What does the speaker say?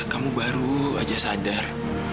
kamu baru aja sadar